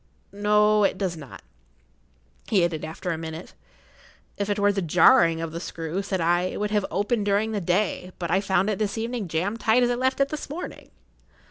"No, it does not," he added, after a minute. "If it were the jarring of the screw," said I, "it would have[Pg 63] opened during the day; but I found it this evening jammed tight as I left it this morning."